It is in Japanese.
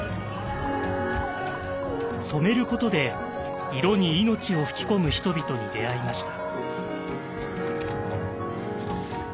「染めること」で色に命を吹き込む人々に出会いました。